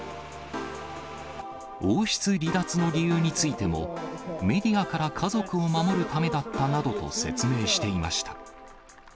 王室離脱の理由についても、メディアから家族を守るためだったなどと説明していました。